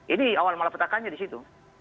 ini awal malapetakannya di situ